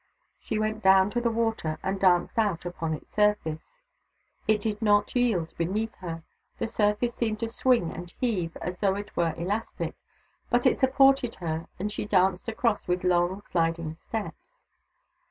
She went down to the water and danced out upon its surface. It did not yield beneath her ; the surface seemed to swing and heave as though it were elastic, but it supported her and she danced across with long, sliding steps.